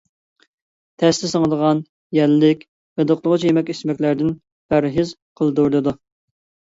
تەستە سىڭىدىغان، يەللىك، غىدىقلىغۇچى يېمەك-ئىچمەكلەردىن پەرھىز قىلدۇرۇلىدۇ.